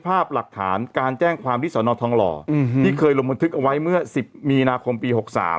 ภาพหลักฐานการแจ้งความที่สนทองหล่อที่เคยลงบันทึกเอาไว้เมื่อ๑๐มีนาคมปี๖๓